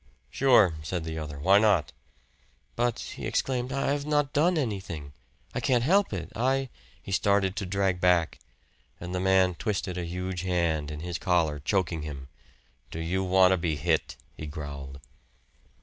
"Sure," said the other. "Why not?" "But," he exclaimed, "I've not done anything. I can't help it. I " He started to drag back, and the man twisted a huge hand, in his collar, choking him. "Do you want to be hit?" he growled.